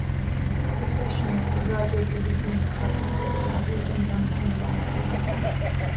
Professionally, Rogers is a senior partner with the Rogers and Duncan Law Firm.